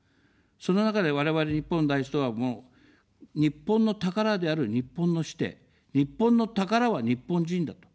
その中で我々、日本第一党は、もう、日本の宝である日本の子弟、日本の宝は日本人だと。